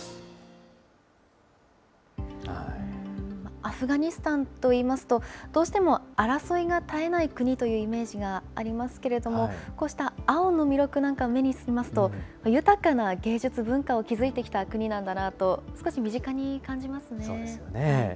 アフガニスタンといいますと、どうしても争いが絶えない国というイメージがありますけれども、こうした青の弥勒なんかを目にしますと、豊かな芸術文化を築いてきた国なんだなと、そうですよね。